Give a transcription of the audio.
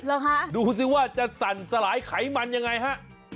เหรอคะดูสิว่าจะสั่นสลายไขมันยังไงฮะ